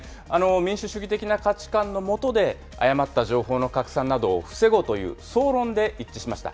民主主義的な価値観のもとで、誤った情報の拡散などを防ごうという総論で一致しました。